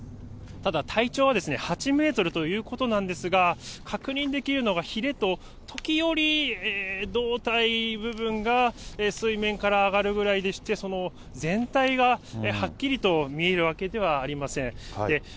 ただ、体長は８メートルということなんですが、確認できるのがひれと、時折、胴体部分が水面から上がるぐらいでして、全体がはっきりと見えるわけではありません。